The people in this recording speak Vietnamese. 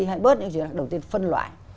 hay bớt những chuyện đồng tiền phân loại